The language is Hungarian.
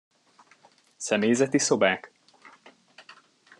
Személyzeti szobák?